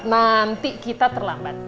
nanti kita terlambat